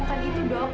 bukan itu dok